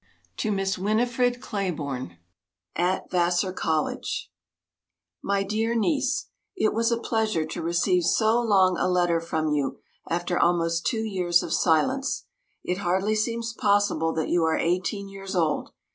To Miss Winifred Clayborne At Vassar College My dear niece: It was a pleasure to receive so long a letter from you after almost two years of silence. It hardly seems possible that you are eighteen years old.